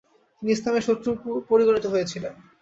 তিনি ইসলামের শত্রু পরিগণিত হয়েছিলেন।